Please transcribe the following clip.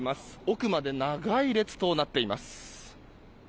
奥まで長い列となっています。